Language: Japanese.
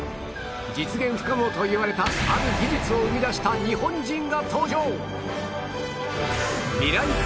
実現不可能といわれたある技術を生み出した日本人が登場！